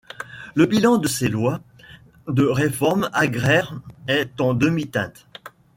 Le bilan de ces lois de réforme agraire est en demi-teinte.